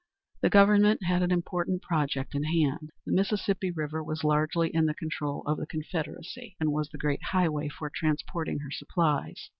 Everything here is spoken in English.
The Government had an important project in hand. The Mississippi River was largely in the control of the Confederacy, and was the great highway for transporting her supplies.